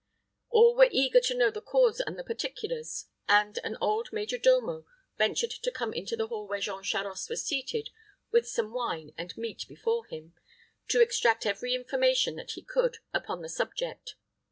All were eager to know the cause and the particulars, and an old major domo ventured to come into the hall where Jean Charost was seated with some wine and meat before him, to extract every information that he could upon the subject.